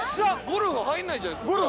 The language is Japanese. ゴルフ入らないじゃないですか。